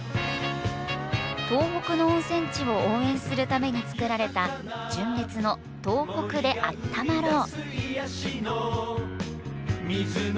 東北の温泉地を応援するために作られた純烈の「とうほくであったまろう」